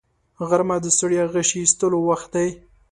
غرمه د ستړیا غشي ایستلو وخت دی